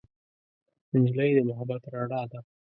نجلۍ د محبت رڼا ده.